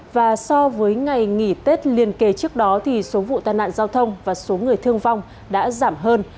và so với ngày nghỉ tết liền kề trước đó thì số vụ tai nạn giao thông và số người thương vong đã giảm hơn